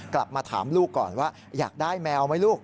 กลับมาถามลูกก่อนว่าอยากได้แมวไหมลูก